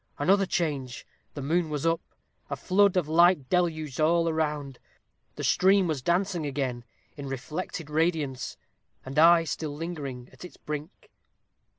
another change! The moon was up a flood of light deluged all around the stream was dancing again in reflected radiance, and I still lingering at its brink.